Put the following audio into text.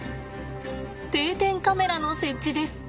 定点カメラの設置です。